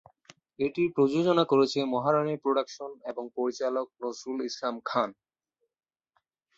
এটি প্রযোজনা করেছে মহারানী প্রোডাকশন এবং পরিচালক নজরুল ইসলাম খান।